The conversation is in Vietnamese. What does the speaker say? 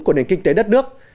của nền kinh tế đất nước